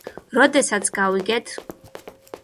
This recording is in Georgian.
როდესაც გავიგეთ.